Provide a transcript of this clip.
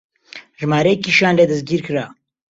ژمارەیەکیشیان لێ دەستگیر کرا